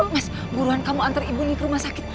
mas buruan kamu antar ibu ini ke rumah sakit